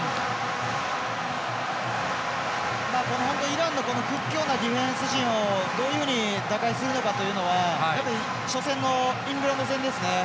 イランの屈強なディフェンス陣をどういうふうに打開するのかというのは初戦のイングランド戦ですね。